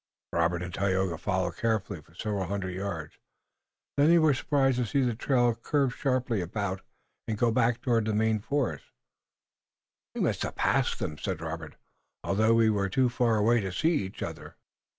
Robert and Tayoga followed carefully for several hundred yards; then they were surprised to see the trail curve sharply about, and go back toward the main force. "We must have passed them," said Robert, "although we were too far away to see each other."